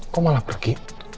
kok malah pergi